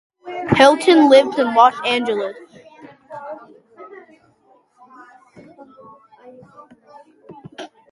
Hilton lives in Los Angeles.